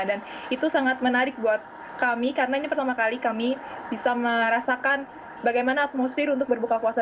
dan itu sangat menarik buat kami karena ini pertama kali kami bisa merasakan bagaimana atmosfer untuk berbuka puasa